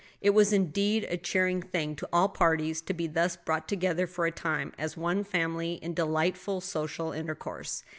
It was indeed a cheering thing to all parties to be thus brought together for a time as one family in delightful social intercourse.